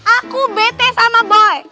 aku bete sama boy